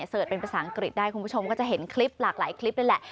เสิร์ตเป็นภาษาอังกฤษได้คุณผู้ชมก็จะเห็นคลิปหลากหลายคลิปนั่นแหละ